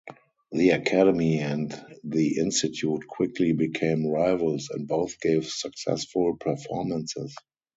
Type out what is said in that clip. The Academy and the Institute quickly became rivals, and both gave successful performances.